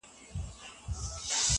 د بېګانه وو مزدوران دي په پیسو راغلي!